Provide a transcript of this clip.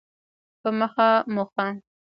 په مخه مو ښه؟